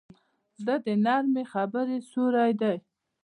زړه د نرمې خبرې سیوری دی.